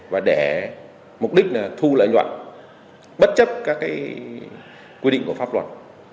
và để mục đích là thu lợi nhuận bất chấp các quy định của pháp luật